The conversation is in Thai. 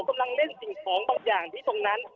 กำลังเล่นสิ่งของบางอย่างที่ตรงนั้น